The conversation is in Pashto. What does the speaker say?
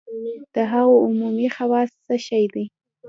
د هغو عمومي خواص څه شی دي؟